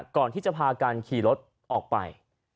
ก่อนที่จะพากันขี่รถออกไป